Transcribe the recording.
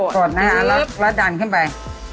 กดแล้วดันขึ้นไป